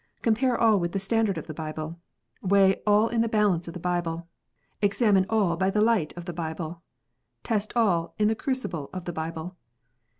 Compare all with the standard of the Bible. Weigh all in the balances of the Bible. Examine all by the light of the Bible. Test all in the crucible of the Bible.